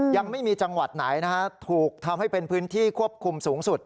ยังไม่มีจังหวัดไหนนะฮะถูกทำให้เป็นพื้นที่ควบคุมสูงสุด